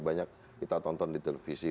banyak kita tonton di televisi